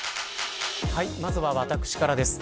はい、まずは私からです。